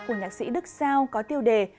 của nhạc sĩ đức sao có tiêu đề